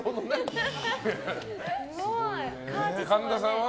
神田さんは？